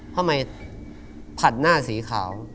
ทำไมผัดหน้าสีขาว